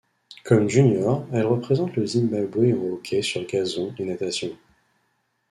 Comme junior, elle représente le Zimbabwe en hockey sur gazon et natation.